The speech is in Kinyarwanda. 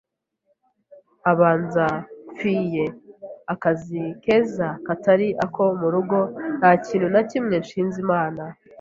abanza mfie akazi keza katari ako mu rugo nta kintu na kimwe nshinja Imana